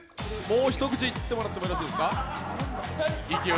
もう一口いってもらってもよろしいですか？